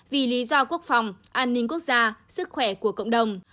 vì lý do quốc phòng an ninh quốc gia sức khỏe của cộng đồng